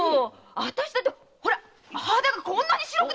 私だってホラ肌がこんなに白くなって！